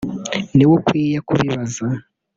ni we akwiye kubibaza